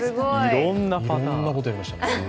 いろんなことやりました。